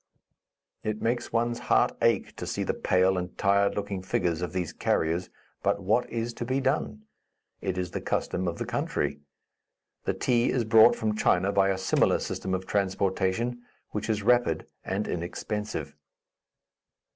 It makes one's heart ache to see the pale and tired looking figures of these carriers; but what is to be done? It is the custom of the country. The tea is brought from China by a similar system of transportation, which is rapid and inexpensive.